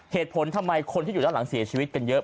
เหตุผลทำไมคนที่อยู่ด้านหลังเสียชีวิตกันเยอะ